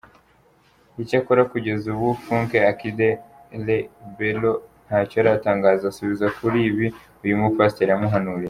Icyakora kugeza ubu Funke Akindele-Bello ntacyo aratangaza asubiza kuri ibi uyu mupasiteri yamuhanuriye.